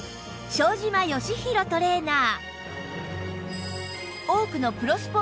庄島義博トレーナー